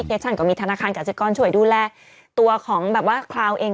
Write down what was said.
แอปพลิเคชันก็มีธนาคารจัดกรรมช่วยดูแลตัวของคราวเอง